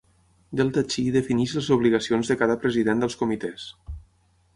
Delta Chi defineix les obligacions de cada president dels comitès.